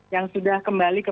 yang sudah kembali ke